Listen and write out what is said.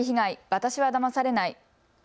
私はだまされない。